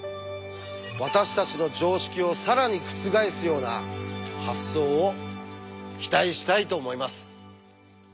私たちの常識を更に覆すような発想を期待したいと思います。